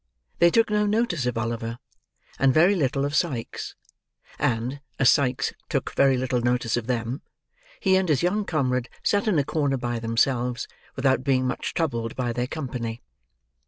They took no notice of Oliver; and very little of Sikes; and, as Sikes took very little notice of them, he and his young comrade sat in a corner by themselves, without being much troubled by their company.